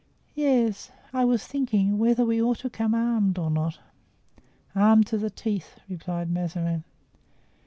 "Yes, I was thinking whether we ought to come armed or not." "Armed to the teeth!" replied Mazarin.